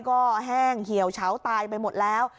ก็แห้งเหี่ยวเฉาตายไปหมดแล้ว